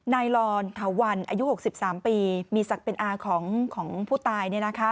ลอนถาวันอายุ๖๓ปีมีศักดิ์เป็นอาของผู้ตาย